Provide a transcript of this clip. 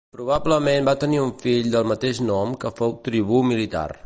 Probablement va tenir un fill del mateix nom que fou tribú militar.